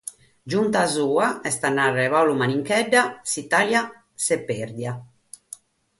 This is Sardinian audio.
Giunta sua, est a nàrrere Pàulu Maninchedda, «s'Itàlia s'est pèrdida».